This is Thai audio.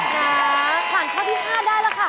นะผ่านข้อที่๕ได้แล้วค่ะ